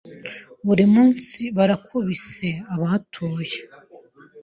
buri munsi barakubise abahatuye